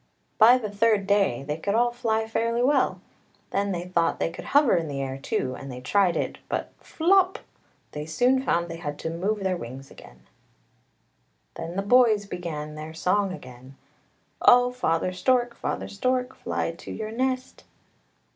By the third day they could all fly fairly well; then they thought they could hover in the air, too, and they tried it, but flop !— they soon found they had to move their wings again. i 4 o ANDERSEN'S FAIRY TALES Then the boys began their song again, •—" Oh! father stork, father stork, fly to your nest."